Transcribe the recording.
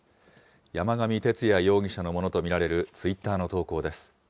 山上徹也容疑者のものと見られるツイッターの投稿です。